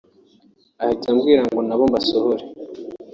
ahita ambwira ngo nabo mbasohore